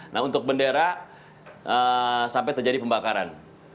nah untuk bendera sampai terjadi pembakaran